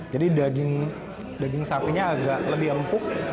daging sapinya agak lebih empuk